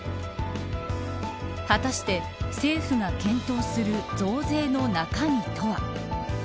果たして、政府が検討する増税の中身とは。